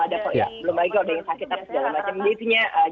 kalau ada kok belum lagi kalau ada yang sakit ada segala macam